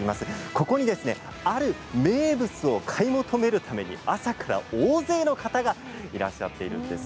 ここにある名物を買い求めるために朝から大勢の方がいらっしゃっているんです。